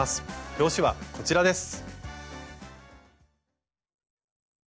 表紙はこちらです。